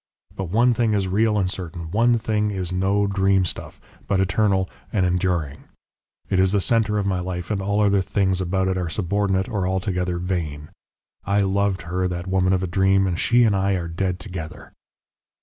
But one thing is real and certain, one thing is no dreamstuff, but eternal and enduring. It is the centre of my life, and all other things about it are subordinate or altogether vain. I loved her, that woman of a dream. And she and I are dead together!